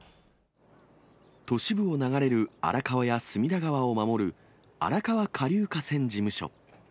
都市部を流れる荒川や隅田川を守る、荒川下流河川事務所。